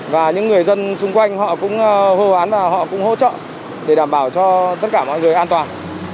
và những người dân xung quanh họ cũng hô hoán và họ cũng hỗ trợ để đảm bảo cho tất cả mọi người an toàn